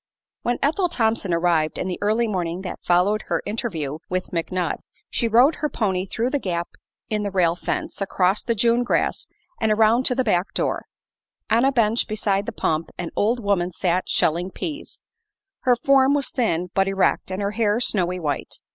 When Ethel Thompson arrived in the early morning that followed her interview with McNutt she rode her pony through the gap in the rail fence, across the June grass, and around to the back door. On a bench beside the pump an old woman sat shelling peas. Her form was thin but erect and her hair snowy white.